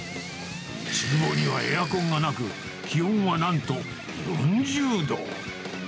ちゅう房にはエアコンがなく、気温はなんと４０度。